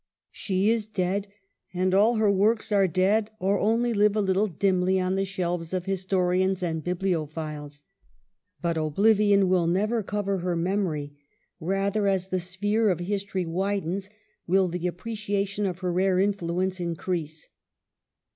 She is dead, and all her works are dead, or only live a little dimly on the shelves of histo rians and bibliophiles. But oblivion will never cover her memory; rather, as the sphere of history widens, will the appreciation of her rare influence increase.